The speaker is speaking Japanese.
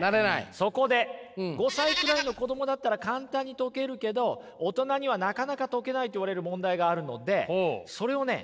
そこで５歳くらいの子供だったら簡単に解けるけど大人にはなかなか解けないといわれる問題があるのでそれをね